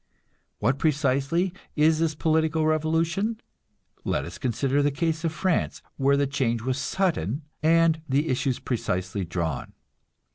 What precisely is this political revolution? Let us consider the case of France, where the change was sudden, and the issues precisely drawn.